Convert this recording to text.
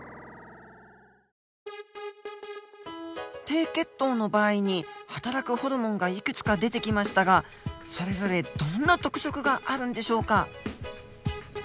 低血糖の場合にはたらくホルモンがいくつか出てきましたがそれぞれどんな特色があるんでしょうか？